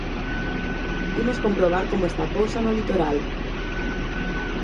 Imos comprobar como está a cousa no litoral.